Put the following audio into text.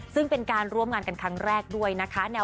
ซึ่งเป็นการร่วมงานกันครั้งแรกด้วยนะคะ